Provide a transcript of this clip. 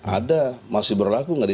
ada masih berlaku